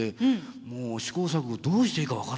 もう試行錯誤どうしていいか分からないんですよ。